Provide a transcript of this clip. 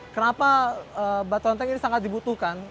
kenapa batuan tank ini sangat dibutuhkan